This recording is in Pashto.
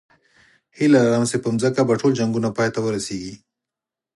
هیله لرم چې په ځمکه به ټول جنګونه پای ته ورسېږي